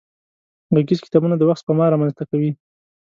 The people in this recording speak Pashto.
غږيز کتابونه د وخت سپما را منځ ته کوي.